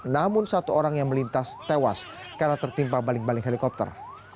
namun satu orang yang melintas tewas karena tertimpa balik balik helikopter